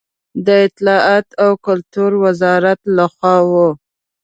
د اطلاعاتو او کلتور وزارت له خوا و.